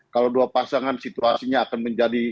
kalau dua pasangan situasinya akan menjadi